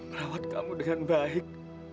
merawat kamu dengan baik